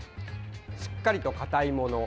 しっかりとかたいもの